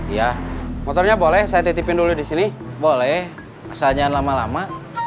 ya motornya boleh saya titipin dulu di sini boleh asalnya lama lama